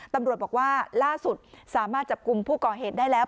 ตำรวจบอกว่าล่าสุดสามารถจับกลุ่มผู้ก่อเหตุได้แล้ว